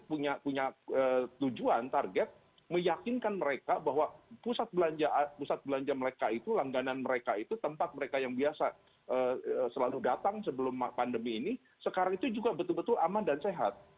kita punya tujuan target meyakinkan mereka bahwa pusat belanja mereka itu langganan mereka itu tempat mereka yang biasa selalu datang sebelum pandemi ini sekarang itu juga betul betul aman dan sehat